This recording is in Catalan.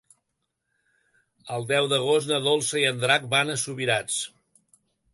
El deu d'agost na Dolça i en Drac van a Subirats.